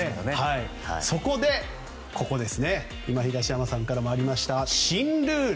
そこで東山さんからもありましたが新ルール。